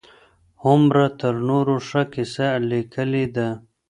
هومر تر نورو ښه کيسه ليکلې ده.